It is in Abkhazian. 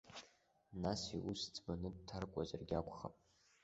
Нас иус ӡбаны дҭаркуазаргьы акәхап!